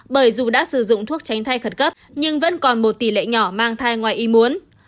bởi dù đã sử dụng thuốc tránh thai khẩn cấp nhưng vẫn còn một tỷ lệ nhỏ mang thai ngoài y muốn